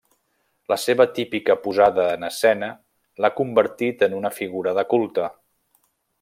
La seva típica posada en escena l'ha convertit en una figura de culte.